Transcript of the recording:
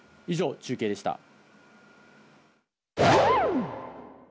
以上、中継でした。